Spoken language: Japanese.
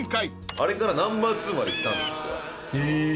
あれからナンバー２までいったんですよ。